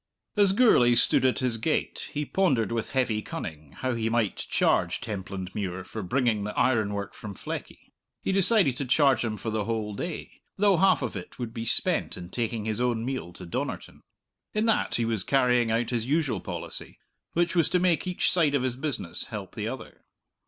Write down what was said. As Gourlay stood at his gate he pondered with heavy cunning how much he might charge Templandmuir for bringing the ironwork from Fleckie. He decided to charge him for the whole day, though half of it would be spent in taking his own meal to Donnerton. In that he was carrying out his usual policy which was to make each side of his business help the other.